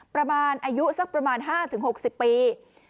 ประมาณอายุสักประมาณ๕๖๐ปี